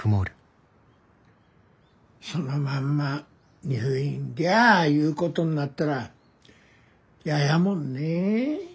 そのまんま入院でゃあいうことになったら嫌やもんねえ？